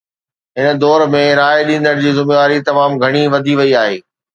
هن دور ۾ راءِ ڏيندڙ جي ذميواري تمام گهڻي وڌي وئي آهي.